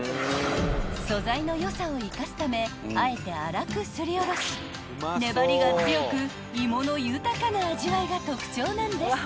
［素材の良さを生かすためあえて粗くすりおろし粘りが強く芋の豊かな味わいが特徴なんです］